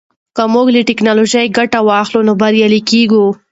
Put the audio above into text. که موږ له ټیکنالوژۍ ګټه واخلو نو بریالي کیږو.